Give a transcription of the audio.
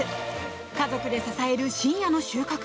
家族で支える深夜の収穫